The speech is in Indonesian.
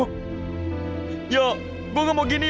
aku tidak mau seperti ini